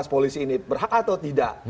polisi ini berhak atau tidak